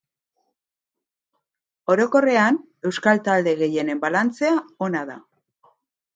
Orokorrean euskal talde gehienen balantzea ona da.